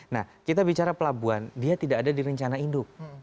nah kita bicara pelabuhan dia tidak ada di rencana induk